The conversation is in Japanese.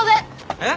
えっ！？